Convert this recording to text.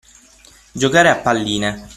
Giocare a palline.